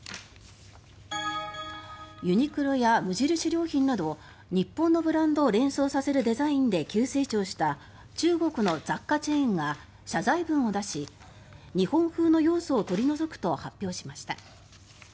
ユニクロや無印良品など日本のブランドを連想させるデザインで急成長した中国の雑貨チェーンが謝罪文を出し日本風の要素を取り除くと発表しました。